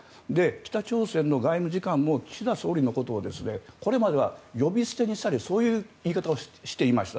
北朝鮮の外務次官も岸田総理のことをこれまでは呼び捨てにしたりそういう言い方をしていました。